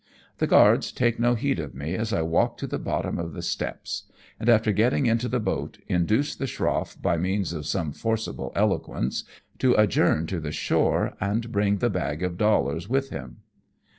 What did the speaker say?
The guards take no heed of me as I walk to the bottom of the steps, and after getting into the boat induce the schrofi", by means of some forcible eloquence, to adjourn to the shore and bring the bag of dollars with him.